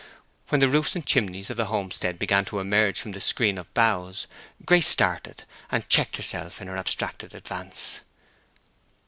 When the roofs and chimneys of the homestead began to emerge from the screen of boughs, Grace started, and checked herself in her abstracted advance.